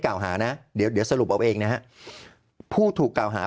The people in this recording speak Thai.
กล่าวหานะเดี๋ยวเดี๋ยวสรุปเอาเองนะฮะผู้ถูกกล่าวหา